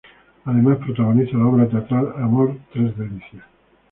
Además protagoniza la obra teatral, "Amor tres delicias".